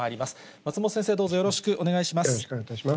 松本先生、どうぞよろしくお願いいたします。